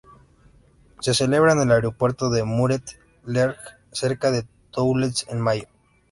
Se celebra en el Aeropuerto de Muret-Lherm, cerca de Toulouse, en mayo.